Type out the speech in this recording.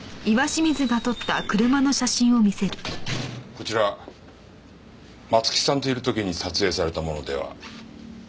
こちら松木さんといる時に撮影されたものでは？